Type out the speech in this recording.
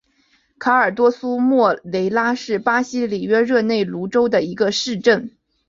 卡尔多苏莫雷拉是巴西里约热内卢州的一个市镇。